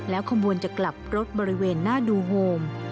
ขบวนจะกลับรถบริเวณหน้าดูโฮม